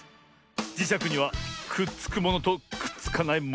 じしゃくにはくっつくものとくっつかないものがある。